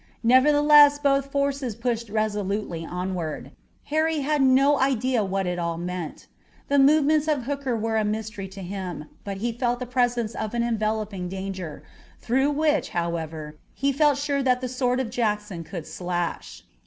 Nevertheless both forces pushed resolutely onward. Harry had no idea what it all meant. The movements of Hooker were a mystery to him, but he felt the presence of an enveloping danger, through which, however, he felt sure that the sword of Jackson could slash.